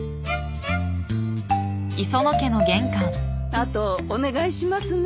あとお願いしますね。